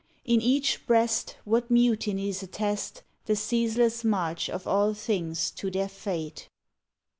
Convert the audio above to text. In each breast What mutinies attest The ceaseless march of all things to their fate